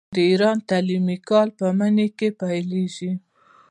د ایران تعلیمي کال په مني کې پیلیږي.